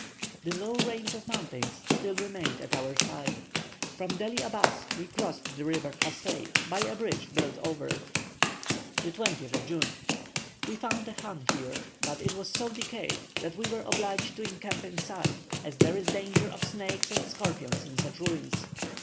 The low range of mountains still remained at our side. From Deli Abas we crossed the river Hassei by a bridge built over it. 20th June. We found a chan here; but it was so decayed that we were obliged to encamp outside, as there is danger of snakes and scorpions in such ruins.